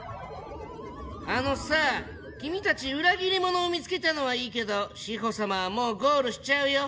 あのさ君たち裏切り者を見つけたのはいいけど志法様はもうゴールしちゃうよ？